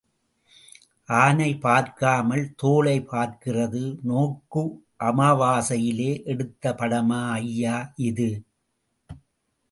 ஆனைப் பார்க்காமல், தோளைப் பார்க்கிறது நோக்கு அமாவாசையிலே எடுத்த படமா ஐயா இது?